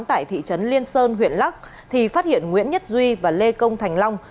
tại thị trấn liên sơn huyện lắc thì phát hiện nguyễn nhất duy và lê công thành long